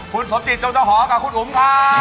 คุณสมจิตจงเจ้าหอกับคุณอุ๋มค่ะ